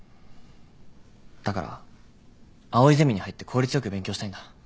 だから藍井ゼミに入って効率良く勉強したいんだ。